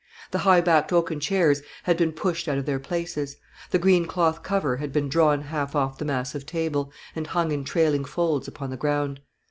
The high backed oaken chairs had been pushed out of their places; the green cloth cover had been drawn half off the massive table, and hung in trailing folds upon the ground.